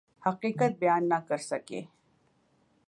حقیقت بیان نہ کر سکے۔